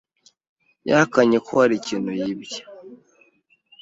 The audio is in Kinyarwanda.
Yahakanye ko hari ikintu yibye.